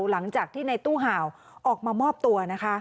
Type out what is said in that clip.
หลังจากที่ในตู้ห่าวออกมามอบตัวนะคะ